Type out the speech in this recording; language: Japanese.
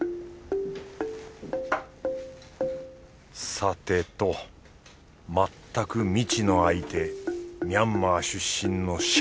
さてとまったく未知の相手ミャンマー出身のシャン。